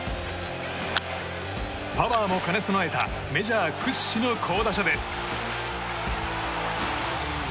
パワーも兼ね備えたメジャー屈指の好打者です。